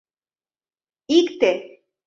— Икте!